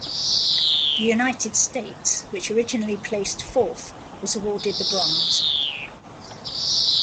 The United States, which originally placed fourth, was awarded the bronze.